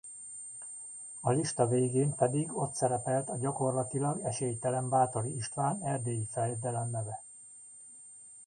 A lista végén pedig ott szerepelt a gyakorlatilag esélytelen Báthori István erdélyi fejedelem neve.